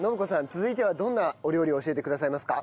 続いてはどんなお料理を教えてくださいますか？